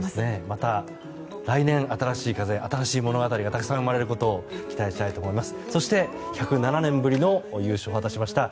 また来年、新しい風新しい物語がたくさん生まれることを期待したいと思います。